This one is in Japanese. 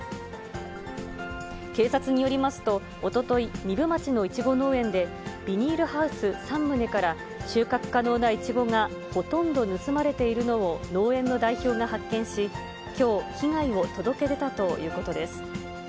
警察によりますと、おととい、壬生町のイチゴ農園で、ビニールハウス３棟から、収穫可能なイチゴがほとんど盗まれているのを農園の代表が発見し、きょう、被害を届け出たということです。